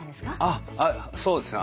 あっそうですね